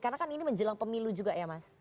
karena kan ini menjelang pemilu juga ya mas